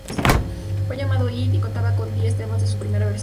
Fue llamado "Id" y contaba con diez temas en su primera versión.